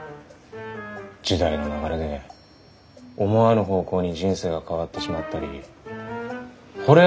時代の流れで思わぬ方向に人生が変わってしまったりほれ